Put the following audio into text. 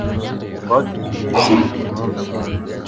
Twateye imbere cyane uyumunsi.